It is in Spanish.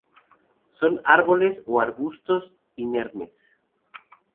Son árboles o arbustos, inermes.